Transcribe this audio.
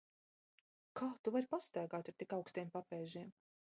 Kā Tu vari pastaigāt ar tik augstiem papēžiem?